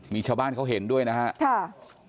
มีชาวบ้านเขาเห็นด้วยนะครับ